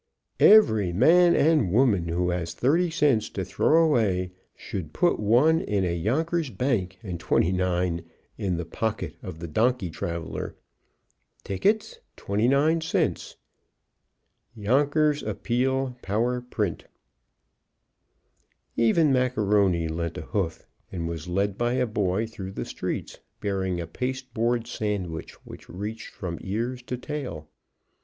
_EVERY MAN AND WOMAN who has Thirty cents to throw away, should put one in a Yonkers Bank and Twenty nine in the pocket of the donkey traveler. TICKETS, $0.29. TICKETS, TWENTY=NINE CENTS YONKERS APPEAL POWER PRINT Even Macaroni lent a hoof, and was led by a boy through the streets, bearing a pasteboard sandwich which reached from ears to tail.